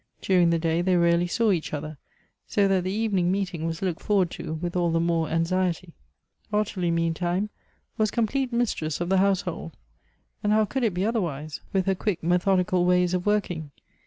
During the day they rarely saw each other, so that the evening meeting was looked forward to with all the more an.xiety. Ottilie meantime was complete mistress of the household — and how could it be otherwise, with her quick methodi cal ways of working